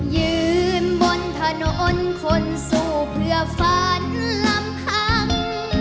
ยืนบนถนนคนสู้เพื่อฝันลำพัง